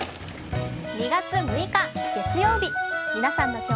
２月６日月曜日